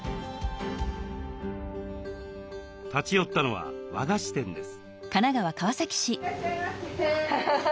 立ち寄ったのは和菓子店です。